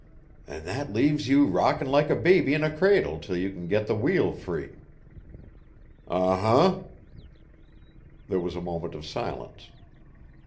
"An' that leaves you rockin' like a baby in a cradle 'til you can get the wheel free." "Uh huh." There was a moment of silence.